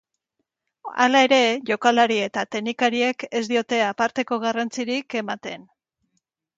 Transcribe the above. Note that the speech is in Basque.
Hala ere, jokalari eta teknikariek ez diote aparteko garrantzirik ematen.